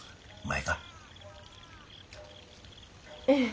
ええ。